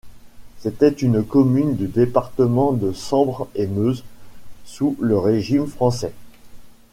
C'était une commune du département de Sambre-et-Meuse sous le régime français.